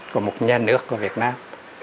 của một nhà nước của việt nam